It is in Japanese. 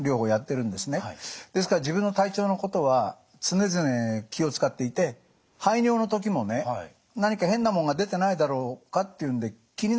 ですから自分の体調のことは常々気を遣っていて排尿の時もね何か変なもんが出てないだろうかっていうんで気になるんですよ。